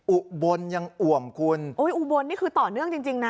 อุบลนี่คือต่อเนื่องจริงนะ